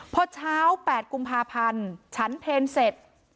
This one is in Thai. พอเช้า๘กุมภาพันธ์ฉันเพลเสร็จ